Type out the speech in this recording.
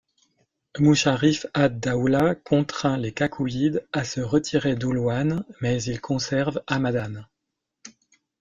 Mucharrif ad-Dawla contraint les Kakouyides à se retirer d'Hulwan, mais ils conservent Hamadân.